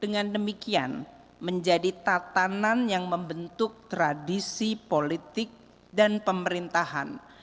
dengan demikian menjadi tatanan yang membentuk tradisi politik dan pemerintahan